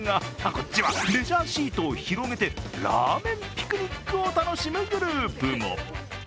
こっちはレジャーシートを広げてラーメンピクニックを楽しむグループも。